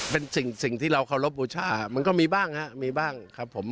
เป็นสิ่งที่เราเคารพบูชามันก็มีบ้างฮะมีบ้างครับผม